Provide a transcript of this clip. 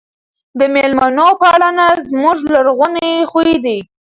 د مېلمنو پالنه زموږ لرغونی خوی دی.